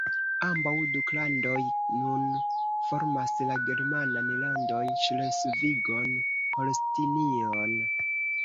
Ambaŭ duklandoj nun formas la germanan landon Ŝlesvigon-Holstinion.